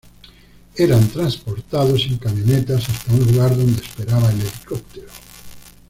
Eran transportados en camionetas hasta un lugar donde esperaba el helicóptero.